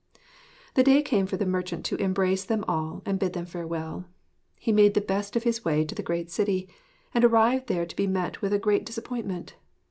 The day came for the merchant to embrace them all and bid them farewell. He made the best of his way to the great city; and arrived there to be met with a great disappointment.